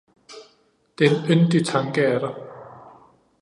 det er en yndig tanke af dig!